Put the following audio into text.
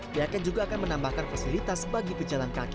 pihaknya juga akan menambahkan fasilitas bagi pejalan kaki